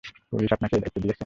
Police আপনাকে এই দায়িত্ব দিয়েছে?